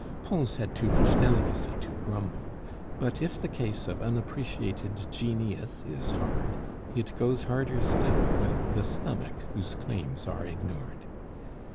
Pons had too much delicacy to grumble; but if the case of unappreciated genius is hard, it goes harder still with the stomach whose claims are ignored.